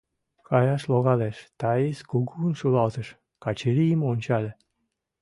— Каяш логалеш, — Таис кугун шӱлалтыш, Качырийым ончале.